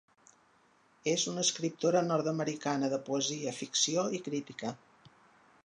És una escriptora nord-americana de poesia, ficció i crítica.